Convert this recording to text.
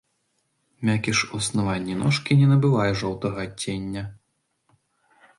Мякіш у аснаванні ножкі не набывае жоўтага адцення.